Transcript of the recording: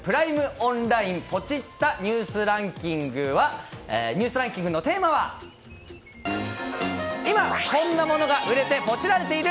オンラインポチッたニュースランキングのテーマは今こんなものが売れてポチられている